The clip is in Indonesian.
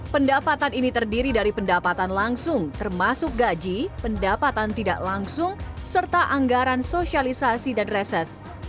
pendapatan ini terdiri dari pendapatan langsung termasuk gaji pendapatan tidak langsung serta anggaran sosialisasi dan reses